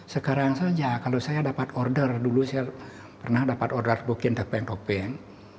sekarang saja kalau saya dapat order dulu saya pernah dapat order mungkin depan depan